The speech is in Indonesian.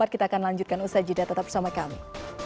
kita akan lanjutkan usha jidat tetap bersama kami